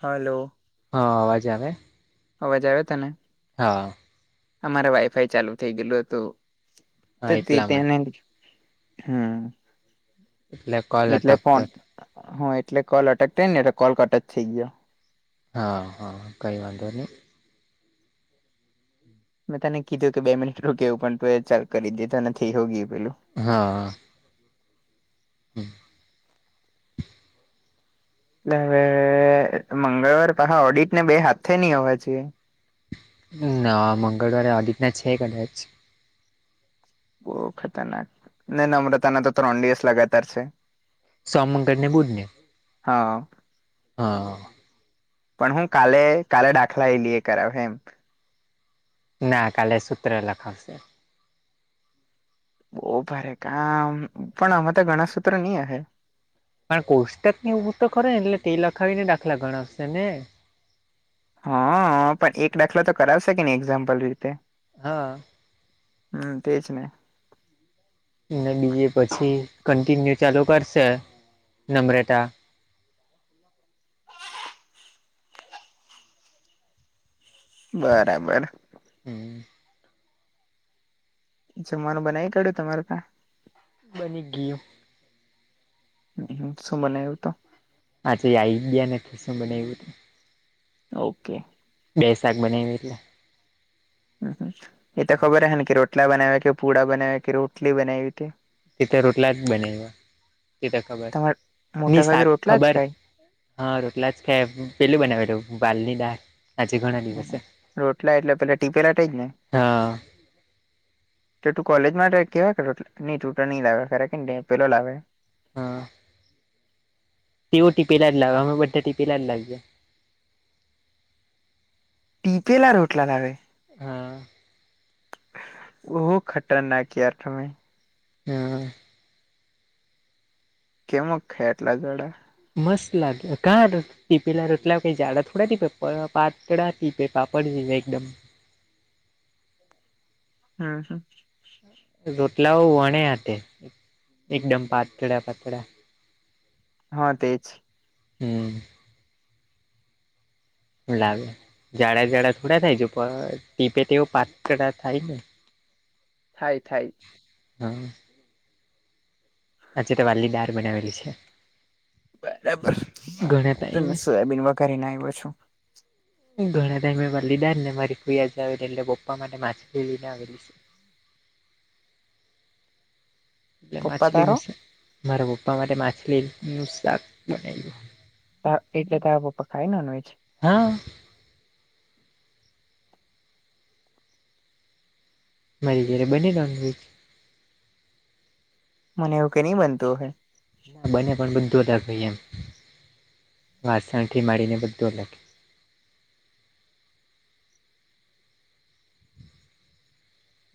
Hello. હા અવાજ આવે? અવાજ આવે તને? હા. અમારે વાઈફાઈ ચાલુ થઈ ગયેલું હતું. હા તે એટલા માટે તેને હમ્મ. એટલે કોલ એટલે અટકતો ફોન હતો હા એટલે કોલ અટક ટેને ને તો કોલ કટ જ થઈ ગ્યો. હા હા કંઈ વાંધો નહી. મેં તને કીધું કે બે મિનિટ રૂક કેવ પણ તુંએ ચાલુ કરી દીધું ને થઈ હો ગ્યું પેલું. હા. હમ્મ. એટલે હવે મંગળવાર પાછા ઓડિટ ને બે હાથે ની હોવા જોઈએ. ના મંગળવારે ઓડિટના છે કદાચ. બો ખતરનાક ને નમ્રતાના તો ત્રણ દિવસ લગાતાર છે. સોમ, મંગળ ને બુધને? હા. હા. પણ હું કાલે કાલે દાખલા એલી એ કરવહે એમ. ના કાલે સૂત્ર લખાવશે. બો ભારે કામ પણ આમાં તો ગણા સૂત્ર ની અહે. પણ કોષ્ટક ની ઉઊ તો ખરે એટલે તે લખાવી ને દાખલા ગણાવશે ને? હાઅ પણ એક દાખલો તો કરાવશે કે ની એક્ઝામ્પલ રીતે? હા. હમ્મ, તેજ ને. અને બીજ પછી કન્ટિન્યુ ચાલુ કરશે નમરેતા. બરાબર. હમ્મ. જમવાનું બનાવી કાઢ્યું તમારે તા? બની ગયું. હમ્મ, શું બનાયું તમ આજે આઈડિયા ને ખીશું બનાવ્યું. ઓકે. બે શાક બનાવી એટલે. હમ્મ હમ્મ, એ તો ખબર હને કે રોટલા બનાવ્યા કે પુડા બનાવ્યા કે રોટલી બનાવી હતી. તે તો રોટલા જ બનાવ્યા, તે તો ખબર, તમારે મોટા ની ભાગે સાક રોટલા જ ખબર ખાય હા રોટલા જ ખાય પેલું બનાવે બાલની દાળ. આજે ઘણા દિવસે રોટલા એટલે પેલા ટીપેલા તેજ ને? હા તો તું કોલેજ માટે કેવાય નહી તું નહી લાવે ખરે કે ને પેલો લાવે. હમ્મ. તેઓ ટીપેલા જ લાવે, અમે બધા ટીપેલા લાવીએ. ટીપેલા રોટલા લાવે? હમ્મ. બો ખતરનાક યાર તમે. હમ્મ. કેમક ખાય એટલા જડા? મસ્ત લાગે કાઢો. ટીપેલા રોટલા કઈ ઝાડા થોડા તીપે પાતડા ટીપે પાપડ એકદમ. ઊં હું. રોટલાઓ વણે આતે એકદમ પાતળા પાતળા. હા તેજ. હમ લાગે જાડા જાડા થોડા થાય છે પણ ટીપે તેવ પાતળ થાય ને. થાય થાય. હા. આજે તમારી દાલ બનાવેલી છે. બરાબર ઘણા ટાઈમે તમે સોયાબીન વગારી ના આવ્યો છો. ઘણા ટાઈમે વલ્લી દાર ને મારી કૂિયાજ આવેલી એટલે પપ્પા માટે માછલી લઈને આવેલી છે. એટલે પપ્પા તારો માછલીનું છે. મારા પપ્પા માટે માછલીનું શાક બનાવ્યું. હા એટલે તો આવ પખાય નોનવેજ. હા. મરી જા બની નોનવેજ. મને એવું કે ની બનતું અહે. ના, બને પણ બધુ અલગ હોઈ એમ, વાસણથી માડીને બધુ અલગ.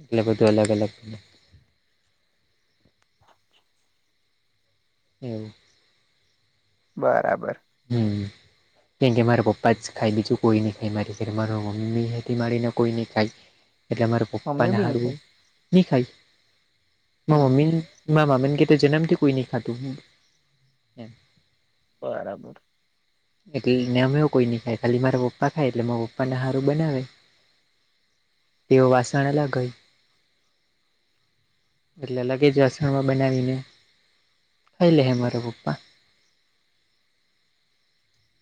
એટલે બધું અલગ-અલગ. એવુ. બરાબર. હમ. કેમ કે મારા પપ્પા જ ખાય બીજું કોઈ ની ખાય મારી જોડે, મારા મમ્મી હેથી માડીને કોઈ ની ખાય. એટલે માર મમ્મી પપ્પાન બી નહી હારુ ખાય ની ખાય, માર મમ્મીન હમ માર મામીન કેતો જનેમ કે કોઈ ની ખાતું. એમ બરાબર. એટલે ને મે એવું કોઈ ની ખાય ખાલી મારા પપ્પા ખાય, એટલે માર પપ્પાને હારુ બનાવે. તેઓ વાસણ અલગ હોય. એટલે અલગે જ વાસણમાં બનાવીને ખઈ લે હે મારા પપ્પા.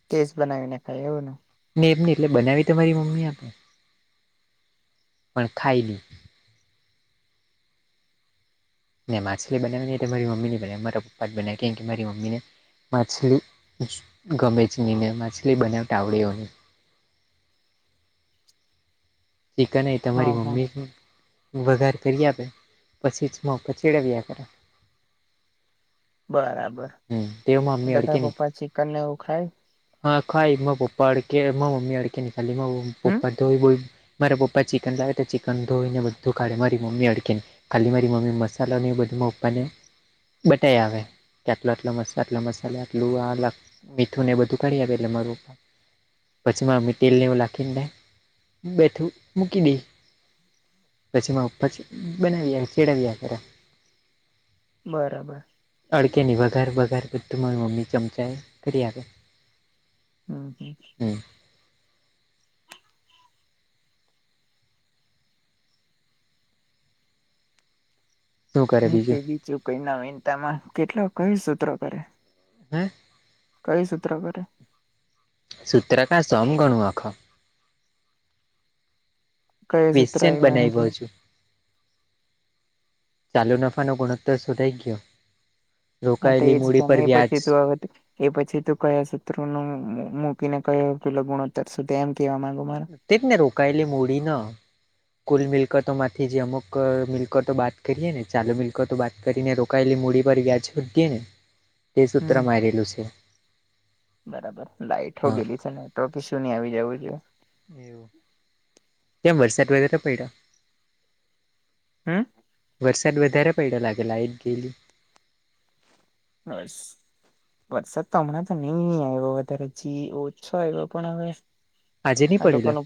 કેસ બનાવી ન ખાય એવું ને. ને એમ ની એટલે બનાવી તો મારી મમ્મી આપે, પણ ખાઈ લી. ને માછલી બનાવી ને તો મારી મમ્મી ની બનાવી, મારા પપ્પા જ બનાવી કેમ કે, મારી મમ્મીને માછલી ગમે જ ની ને માછલી બનાવતા આવડે હો ની. ચિકન એ તમારી હા હા મમ્મી વઘાર કરી આપે, પછી જ માર પપ્પા છેડવ્યા કરે. બરાબર, હમ તેઓમાં મમ્મી એટલે અડકે તાર નહી પપ્પા ચિકન ને એવું ખાય? હા, ખાઈ માર પપ્પા અડકે, માર મમ્મી અડકે ની ખાલી માર હમ પપ્પા ધોઈ-બોઈ મારા પપ્પા ચિકન લાવે તો ચિકન ધોઈને બધું કાઢે, મારી મમ્મી અડકે ની. ખાલી મારી મમ્મી મસાલોને એ બધુ માર પપ્પાને બટાય આવે કે આટલો-આટલો મસાલો આટલો મસલો આટલું આ અલગ મીઠુંને બધું કાઢી આપે એટલે મારુ પછી માર મમ્મી તેલને એવું લાખીને, બેઠું મૂકી દે. પછી માર પપ્પા છે, બનાવ્યા છેડવ્યા કરે. બરાબર. અડકે ની વઘાર વઘાર બધું માર મમ્મી ચમચા કરી આપે. હમ હમ. હમ. શું કરે હું કે બીજું કઈ નવીનતામાં કેટલો કયુ સુત્ર કરે? હે કયુ સૂત્ર કરે? સૂત્ર કા સમ ગણું આખો. કઈ સૂત્ર ક્વિશ્ચન આવ્યું એમ બનાઈ કેમ બઉ છું. ચાલુ નફાનો ગુણોત્તર શોધાઈ ગયો. હા, તે રોકાયેલી એ જ કે મૂડી મે પર એ વ્યાજ પછી તું અવેથી એ પછી તું કયા સૂત્રનું મૂ-મૂકીને કયો પેલો ગુણોત્તર શોધે, એમ કેવા માંગુ મારા. તે જ ને રોકાયેલી મૂડી નો કુલ મિલકતોમાંથી જે અમુક મિલકતો બાદ કરીએ ને ચાલુ મિલકતો બાદ કરીને રોકાયેલી મૂડી પર વ્યાજ વધયે ને તે સૂત્ર હમ, મારેલું છે બરાબર લાઈટ હો હા ગેલી છે ને તો કે શું ની આવી જાવું. એવું. કેમ વરસાદ [unintelligible] નતો પયડો? હું. વરસાદ વધારે પડયો લાગે લાઈટ ગેલી. હાસ. વરસાદ તો હમણાં તો ની આયવો વધારે જી ઓછો આયવો પણ હવે આજે નહી આ લોકો પડેલો નુ.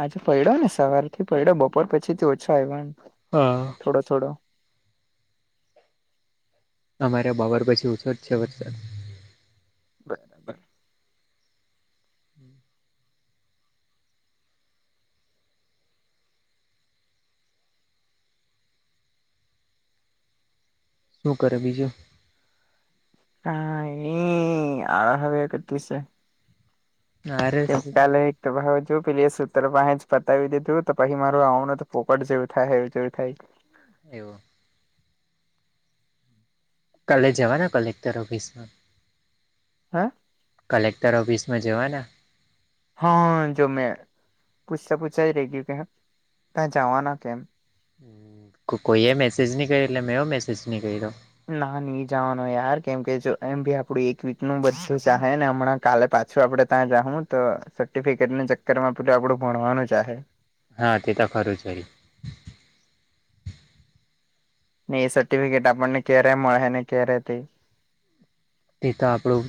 આજે પડ્યો ને સવાર થી પડ્યો બપોર પછી થી ઓછા આવ્યો. હા થોડો થોડો અમારે બપોર પછી ઓછો જ છે વરસાદ. બરાબર શું કરે બીજું? કાય ની આળ હવે કટે સે. આરસ કેમ ટાલે. તમે હવે જો પેલી એ સૂત્ર પાસે જ પતાવી દીધું તો પછી મારું આવનું તો પોપટ જેવું થાહે એવું જેવું થાય. એવું. કાલે જવાના કલેક્ટર ઓફિસમાં. હે? કલેક્ટર ઓફિસમાં જવાના? હહ જો મેં પૂછતા પૂછતા ઈ રઈ ગયું કે ત્યા જાવાના કે એમ? હમ કો કોઈએ મેસેજ ની કર્યો એટલે મેં ઓ મેસેજ ની કર્યો. ના ની જાવાનું યાર કેમ કે જો એમ ભી આપડું એક વીકનું બધું જાહે ને હમણાં કાલે પાછું આપડે ત્યાં જાહું તો સર્ટિફિકેટની ચક્કરમાં પેલું આપડું ભણવાનું જાહે. હા તે તો ખરું છે. ને એ સર્ટિફિકેટ આપણને ક્યારે મળ હે ને ક્યારે તે તે તો આપણું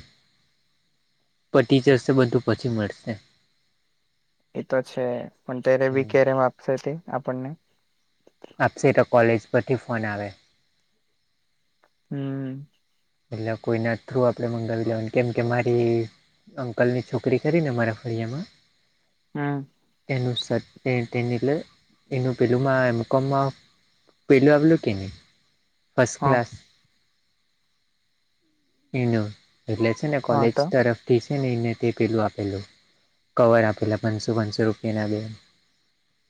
પટી જશે બધું પછી મળશે. ઈતો છે પણ ત્યારે હમ વીકે રેવ આપશે તે આપણને? આપશે તો કોલેજ પરથી ફોન આવે. હમ એટલા કોઈના થ્રુ આપણે મંગાવી લેવાની કેમ કે મારી અંકલની છોકરી ખરીને મારા ફળિયામાં હહ એનું સ તેન તેન એટલે એનું પેલું માં બીકોમમાં પેલું આપલું કે નહીં ફસ્ટ હા ક્લાસ? એનું એટલે છે ને હા કોલેજ તો તરફથી છે ને એને તે પેલું આપેલું. કવર આપેલા પાંચસો પાંચસો રૂપિયાના બે.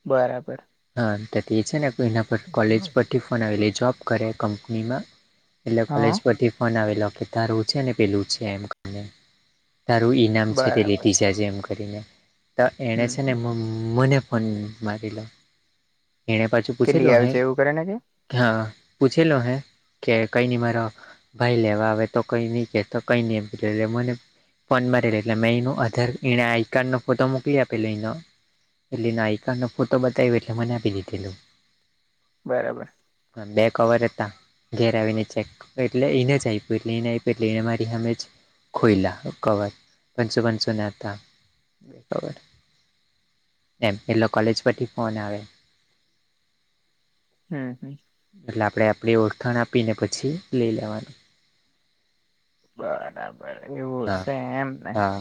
બરાબર હા તો તે છે ને એના પર કોલેજ પરથી ફોન આવેલી જોબ કરે કંપનીમાં એટલે હા કોલેજ પરથી ફોન આવેલો કે તારું છે ને પેલું છે એમ કરીને. તારું ઈનામ છે તે બરાબર લેતી જાજે એમ કરીને ત એણે છે ને હમ મ મને ફોન મારીલો એને પાછું કે લઈ પૂછેલો આવે ને છે એવું કરે ને કે હા પૂછેલો હે કે કઈની મારો ભાઈ લેવા આવે. તો કઈ નહીં કેતો કંઈ નહી એમ કે મને ફોન મારે રે એટલે મે એનો આધાર એણે આઈકાર્ડનો ફોટો મોકલી આપેલો એનો એટલે એનો આઈકાર્ડનો ફોટો બતાવ્યો એટલે મને આપી દીધેલું. બરાબર અન બે કવર હતા ઘેર આવીને ચેક એટલે એને જ આય પી એટલે એને આયપી એને મારી હામેજ ખોઈલા કવર પાંચસો પાંચસો ના હતા. બે કવર એમ એલો કોલેજ પરથી ફોન આવ્યો. હમ હમ એટલે આપણે આપણી ઓળખાણ આપીને પછી લઈ લેવાનું. બરાબર એવું હા સે એમને? હા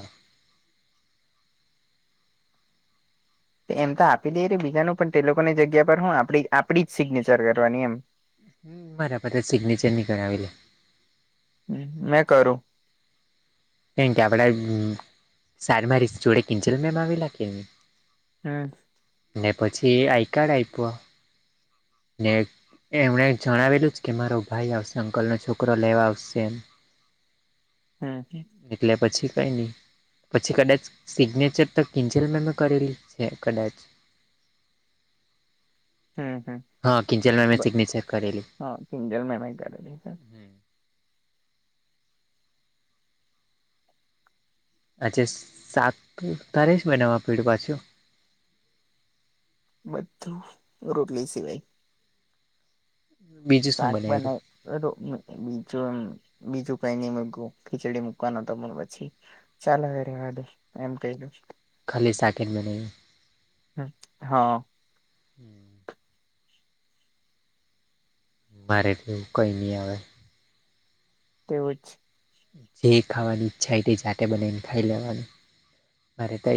તે એમ તો આપી દેરી બીજાનું પણ તે લોકોની જગ્યા પર હું આપણી આપડી જ સિગ્નેચર કરવાની એમ. હમ બરાબર સિગ્નેચર ની કરાવેલી. હમ લાય કરું. કેમ કે આપડા સારીમાં રીસ જોડે કિંજલમેમ આવેલા કે? હમ્મ. ને પછી આઈ કાર્ડ આપ્યું. ને એમણે જણાવેલું જ કે મારો ભાઈ અશ અંકલનો છોકરો લેવા આવશે એમ. હમ હમ એટલે પછી કંઈ નહી. પછી કદાચ સિગ્નેચર તો કિંજલમેમે એ કરેલી છે કદાચ. હમ હમ હહ કિંજલમેમે સિગ્નેચર કરેલી. હા કિંજલમેમે કરેલી છે. આચેસ સાત તી તારિસ મહિનામાં પઈડુ પાછું? બધું, રોટલી સિવાય. બીજું શું શાક બનાવ્યું બનાઈ. [unintelligible] બીજું બીજું કઈ નઈ મગું ખીચડી મુકવાનો હતો પણ પછી ચાલ હવે રેહવા દે એમ કૈદુ. ખાલી સાકેટ બનાવુ. હમ્મ હા. મારે તો એવું કઈ ની આવે. તેવું જ. જે ખાવાની ઈચ્છા તે સાતે બનાઈ ન ખાઈ લેવાનું. મારે તો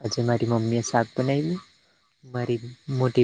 આજે મારી મમ્મી એ શાક બનાઈલું. મારી મોટી